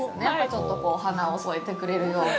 ちょっと花を添えてくれるような。